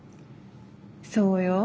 そうよ。